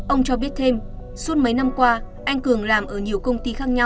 ông cho biết thêm suốt mấy năm qua anh cường làm ở nhiều công ty khác nhau